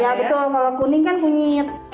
ya betul kalau kuning kan kunyit